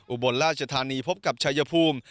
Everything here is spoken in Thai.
อุบลราชธานีพบกับชายภูมิ